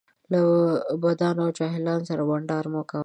له بدانو او جاهلو سره بنډار مه کوه